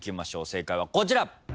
正解はこちら。